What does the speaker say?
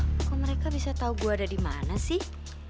lah kok mereka bisa tau gue ada di mana sih